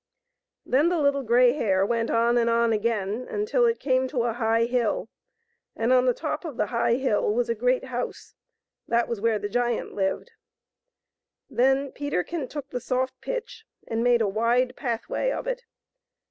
Then the Little Grey Hare went on and on again until it came to a high hill, and on the top of the high hill was a great house ; that was where the giant lived. Then Peterkin took the soft pitch and made a wide pathway of it.